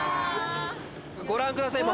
ご覧ください